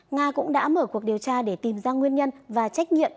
nga cũng đã mở cuộc điều tra để tìm ra nguyên nhân và trách nhiệm